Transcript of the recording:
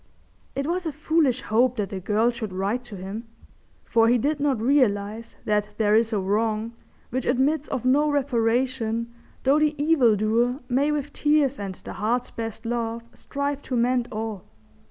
It was a foolish hope that the girl should write to him, for he did not realise that there is a wrong which admits of no reparation though the evildoer may with tears and the heart's best love strive to mend all.